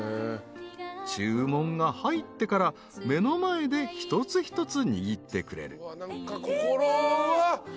［注文が入ってから目の前で一つ一つ握ってくれる］